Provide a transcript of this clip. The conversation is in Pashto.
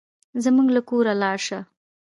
زموږ له کوره لاړ شه.